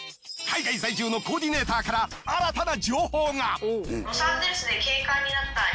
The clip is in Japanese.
海外在住のコーディネーターから新たな情報が。